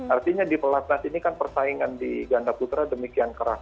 artinya di pelatnas ini kan persaingan di ganda putra demikian keras